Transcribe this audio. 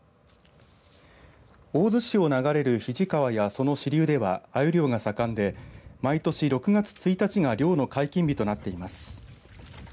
大洲市を流れる肱川やその支流ではあゆ漁が盛んで、毎年６月１日が漁の解禁日となっています。